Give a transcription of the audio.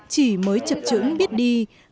chỉ mới chập chững biết đi